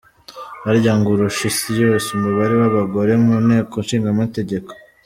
Harya ngo urusha isi yose umubare w’abagore mu nteko Nshingategeko?